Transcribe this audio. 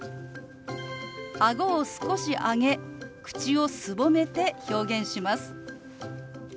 あごを少し上げ口をすぼめて表現します。